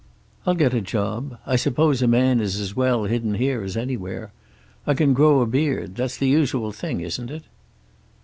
"I'll get a job. I suppose a man is as well hidden here as anywhere. I can grow a beard that's the usual thing, isn't it?"